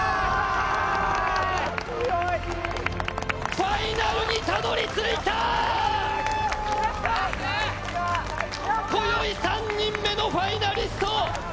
ファイナルにたどり着いたこよい３人目のファイナリスト。